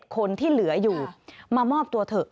คนที่เหลืออยู่มามอบตัวเถอะ